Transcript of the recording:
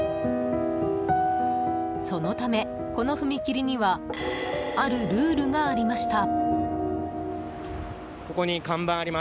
そのため、この踏切にはあるルールがありました。